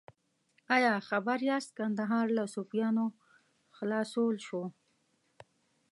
ایا خبر یاست کندهار له صفویانو خلاصول شو؟